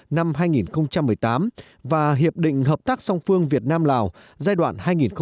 năm hai nghìn một mươi tám và hiệp định hợp tác song phương việt nam lào giai đoạn hai nghìn một mươi sáu hai nghìn hai mươi